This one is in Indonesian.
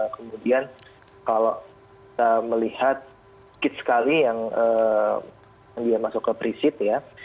kemudian kalau kita melihat kit sekali yang dia masuk ke prinsip ya